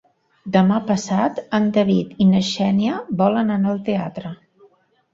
Demà passat en David i na Xènia volen anar al teatre.